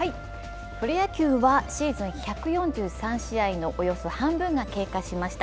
プロ野球はシーズン１４３試合のおよそ半分が経過しました。